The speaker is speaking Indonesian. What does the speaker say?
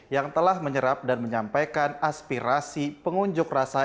yang telah menyerap dan menyampaikan aspirasi pengunjuk rasa